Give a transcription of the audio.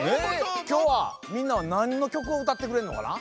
きょうはみんなはなんのきょくをうたってくれるのかな？